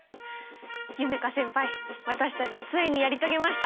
夢叶先輩私たちついにやり遂げました。